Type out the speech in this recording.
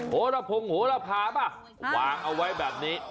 โหระพงโหระพาป่ะวางเอาไว้แบบนี้